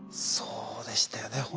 そうでしたよね